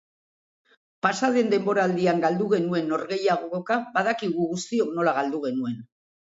Pasa den denboraldian galdu genuen norgehiagoka badakigu guztiok nola galdu genuen.